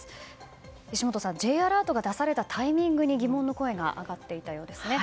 石本さん、Ｊアラートが出されたタイミングに疑問の声が上がっていたようですね。